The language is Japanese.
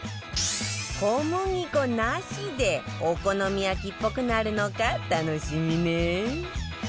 小麦粉なしでお好み焼きっぽくなるのか楽しみね